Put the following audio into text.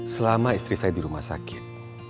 selama istri saya di rumah sakit